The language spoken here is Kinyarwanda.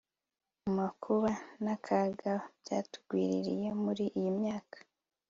mu makuba n'akaga byatugwiririye muri iyi myaka